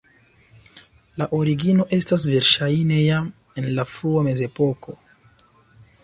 La origino estas verŝajne jam en la frua mezepoko.